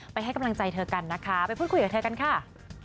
ให้กำลังใจเธอกันนะคะไปพูดคุยกับเธอกันค่ะ